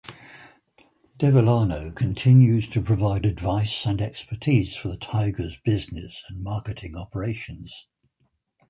Devellano continues to provide advice and expertise for the Tigers business and marketing operations.